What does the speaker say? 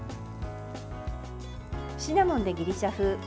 シナモンでギリシャ風！